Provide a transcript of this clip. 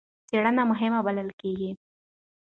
څېړنه مهمه بلل کېږي.